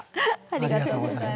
ありがとうございます。